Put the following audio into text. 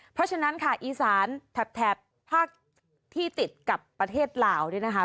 เพราะฉะนั้นค่ะอีสานแถบภาคที่ติดกับประเทศลาวเนี่ยนะคะ